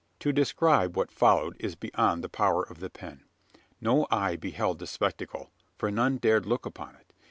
To describe what followed is beyond the power of the pen. No eye beheld the spectacle: for none dared look upon it.